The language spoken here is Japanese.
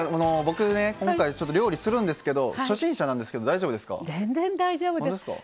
僕ね今回料理するんですけど初心者なんですけど大丈夫ですか？